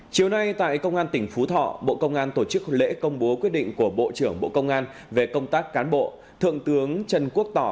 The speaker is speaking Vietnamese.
chiều nay tại công an tỉnh phú thọ bộ công an tổ chức lễ công bố quyết định của bộ trưởng bộ công an về công tác cán bộ thượng tướng trần quốc tỏ